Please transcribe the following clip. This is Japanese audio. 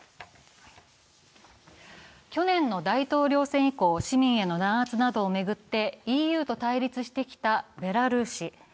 去年の大統領選以降、市民への弾圧などを巡ってＥＵと対立してきたベラルーシ。